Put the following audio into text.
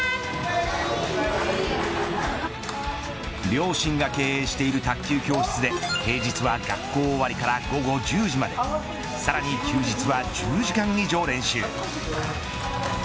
両親が経営している卓球教室で平日は、学校終わりから午後１０時までさらに休日は１０時間以上練習。